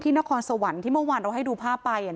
นครสวรรค์ที่เมื่อวานเราให้ดูภาพไป